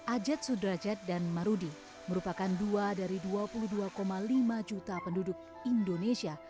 ajat sudrajat dan marudi merupakan dua dari dua puluh dua lima juta penduduk indonesia